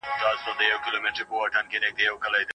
طبي پوهنځۍ بې هدفه نه تعقیبیږي.